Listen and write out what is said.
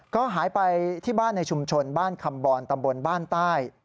ก็หายไปที่บ้านในชุมชนบ้านคำบรตำบลบ้านใต้